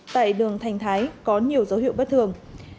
tại đường thành thái có nhiều dấu hiệu bất thường